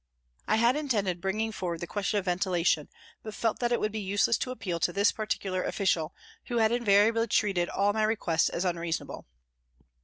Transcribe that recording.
I had intended bringing forward the question of ventila tion, but felt that it would be useless to appeal to this particular official, who had invariably treated all my requests as unreasonable.